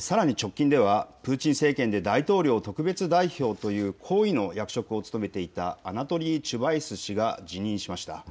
さらに直近ではプーチン政権で大統領特別代表という役職を務めていたアナトリー・チュバイス氏が辞任しました。